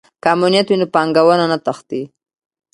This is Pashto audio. که امنیت وي نو پانګونه نه تښتي.